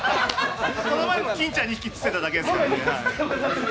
その前も金ちゃん２匹釣ってただけですからね。